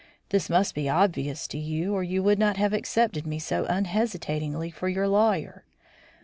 This must be obvious to you, or you would not have accepted me so unhesitatingly for your lawyer.